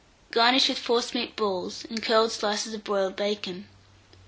Garnish with forcemeat balls and curled slices of broiled bacon.